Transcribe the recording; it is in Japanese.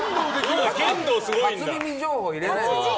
初耳情報入れないでください。